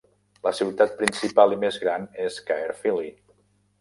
La ciutat principal i més gran és Caerphilly.